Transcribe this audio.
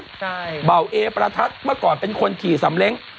ใช่เบาเอประทัดเมื่อก่อนเป็นคนขี่สำเล้ง